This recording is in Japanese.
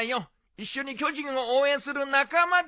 一緒に巨人を応援する仲間だ。